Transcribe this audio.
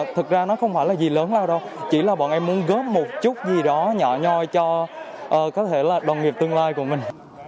thực ra nó không phải là gì lớn nào đâu chỉ là bọn em muốn góp một chút gì đó nhỏ nhoi cho có thể là đoàn nghiệp tương lai của mình